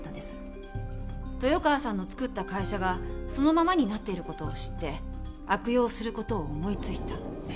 豊川さんの作った会社がそのままになっている事を知って悪用する事を思い付いた。